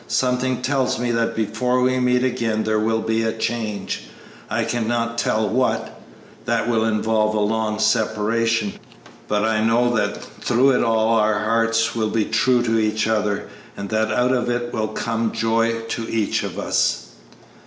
Something tells me that before we meet again there will be a change I cannot tell what that will involve a long separation; but I know that through it all our hearts will be true to each other and that out of it will come joy to each of us."